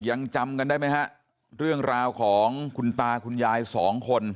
ยังจำกันได้ไหมฮะเรื่องราวของคุณตาคุณยายสองคน